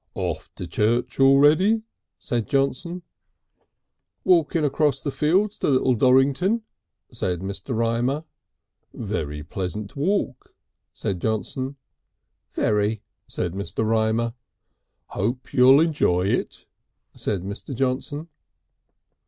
"Off to church already?" said Johnson. "Walking across the fields to Little Dorington," said Mr. Rymer. "Very pleasant walk," said Johnson. "Very," said Mr. Rymer. "Hope you'll enjoy it," said Mr. Johnson.